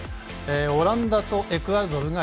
オランダとエクアドルが４。